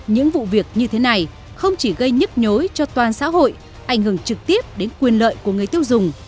những vụ việc như thế này không chỉ gây nhức nhối cho toàn xã hội ảnh hưởng trực tiếp đến quyền lợi của người tiêu dùng